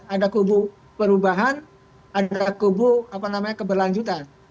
ada kubu perubahan ada kubu apa namanya keberlanjutan